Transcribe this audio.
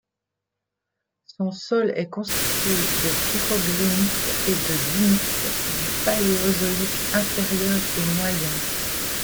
Son sol est constitué de pyroxénites et de dunites du Paléozoïque inférieur et moyen.